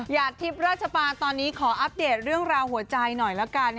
ทิพย์ราชปาตอนนี้ขออัปเดตเรื่องราวหัวใจหน่อยละกัน